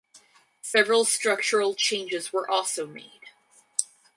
Several structural changes were also made.